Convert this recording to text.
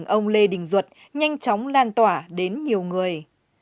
gia đình ông lê đình duật nhanh chóng lan tỏa đến nhiều người